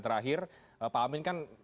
terakhir pak amin kan